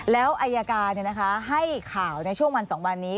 แล้วอายการให้ข่าวในช่วงวัน๒วันนี้